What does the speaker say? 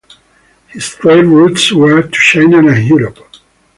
His trade routes were to China and Europe.